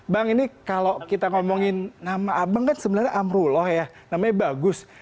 bang ini kalau kita ngomongin nama abang kan sebenarnya amrullah ya namanya bagus